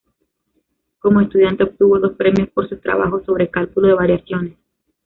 Como estudiante obtuvo dos premios por sus trabajos sobre cálculo de variaciones.